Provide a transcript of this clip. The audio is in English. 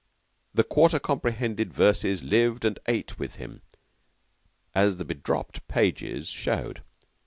The quarter comprehended verses lived and ate with him, as the bedropped pages showed.